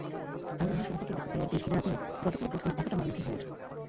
আন্দোলনের শুরু থেকেই বিক্ষোভকারীদের পুলিশ ঘিরে রাখলেও গতকালই প্রথম এতটা মারমুখী হয়ে ওঠে।